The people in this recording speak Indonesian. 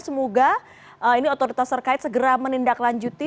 semoga ini otoritas terkait segera menindaklanjuti